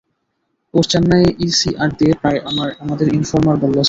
ওর চেন্নাইয়ে ইসিআর দিয়ে প্রায় আমাদের ইনফর্মার বলল, স্যার।